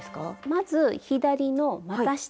まず左のまた下。